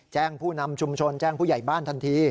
ผู้นำชุมชนแจ้งผู้ใหญ่บ้านทันที